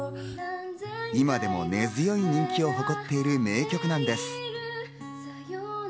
今でも根強い人気を誇っている名曲なのです。